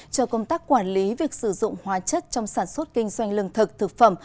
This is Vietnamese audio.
cho công tác quản lý việc sử dụng hóa chất trong sản xuất kinh doanh lương thực thực phẩm